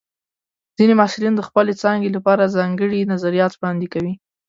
ځینې محصلین د خپلې څانګې لپاره ځانګړي نظریات وړاندې کوي.